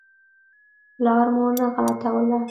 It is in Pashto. لار مو نه غلطوله.